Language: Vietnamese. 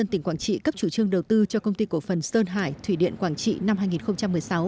tỉnh quảng trị cấp chủ trương đầu tư cho công ty cổ phần sơn hải thủy điện quảng trị năm hai nghìn một mươi sáu